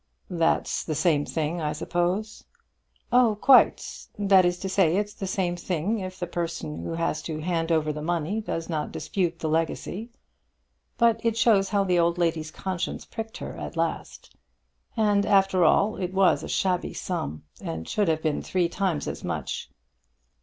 "That's the same thing, I suppose?" "Oh quite; that is to say, it's the same thing if the person who has to hand over the money does not dispute the legacy. But it shows how the old lady's conscience pricked her at last. And after all it was a shabby sum, and should have been three times as much."